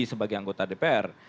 sebagai anggota dpr